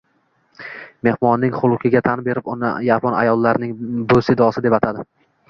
Mehmonning xulqiga tan berib, uni yapon ayollarining busidosi deb atadi